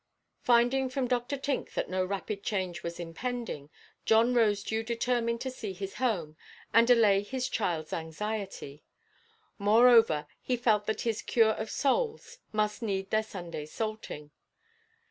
Finding from Dr. Tink that no rapid change was impending, John Rosedew determined to see his home, and allay his childʼs anxiety. Moreover, he felt that his "cure of souls" must need their Sunday salting.